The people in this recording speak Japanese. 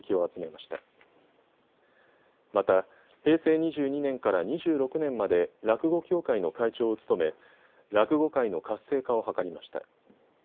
また平成２２年から２６年まで落語協会の会長を務め落語界の活性化を図りました。